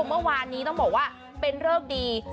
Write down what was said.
เมื่อวานนี้ต้องบอกว่าเป็นเริกดี